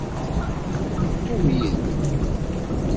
Qim yid-neɣ.